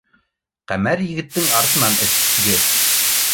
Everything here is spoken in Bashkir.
Ҡәмәр егеттең артынан этге